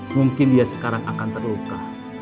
mungkin dia sekarang akan terluka